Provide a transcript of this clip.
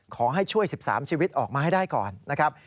ขอให้ช่วย๑๓ชีวิตออกมาให้ได้ก่อนนะครับ